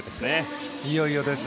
いよいよです。